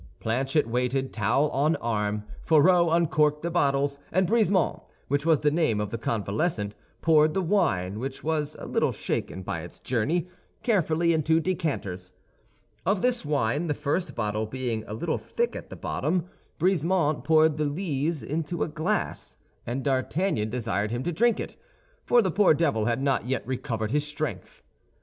Planchet waited, towel on arm; Fourreau uncorked the bottles; and Brisemont, which was the name of the convalescent, poured the wine, which was a little shaken by its journey, carefully into decanters. Of this wine, the first bottle being a little thick at the bottom, Brisemont poured the lees into a glass, and D'Artagnan desired him to drink it, for the poor devil had not yet recovered his strength.